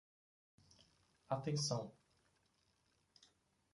Atenção!